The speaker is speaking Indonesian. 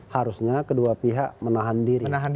harusnya kedua pihak menahan diri